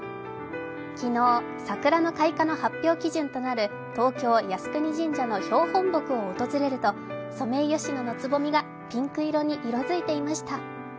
昨日、桜の開花の発表基準となる東京・靖国神社の標本木を訪れると、ソメイヨシノのつぼみがピンク色に色づいていました。